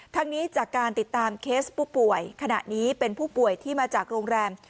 ทั้งนี้จากการติดตามเคสผู้ป่วยขณะนี้เป็นผู้ป่วยที่มาจากโรงแรม